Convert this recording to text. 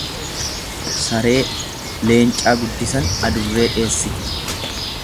Saree, leencaa guddisan adurree dheessiti.